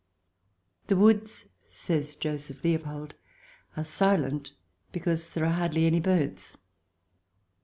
" The woods," says Joseph Leopold, " are silent because there are hardly any birds."